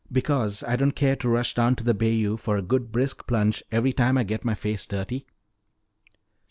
"Because I don't care to rush down to the bayou for a good brisk plunge every time I get my face dirty."